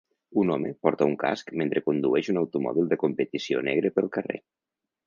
Un home porta un casc mentre condueix un automòbil de competició negre pel carrer